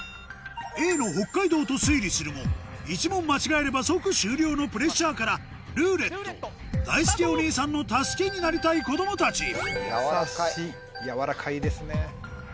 Ａの「北海道」と推理するも１問間違えれば即終了のプレッシャーから「ルーレット」だいすけお兄さんの助けになりたい子供たち柔らかい柔らかいですね。